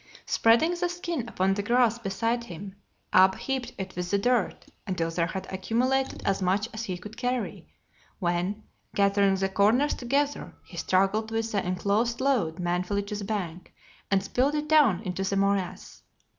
Spreading the skin upon the grass beside him, Ab heaped it with the dirt until there had accumulated as much as he could carry, when, gathering the corners together, he struggled with the enclosed load manfully to the bank and spilled it down into the morass.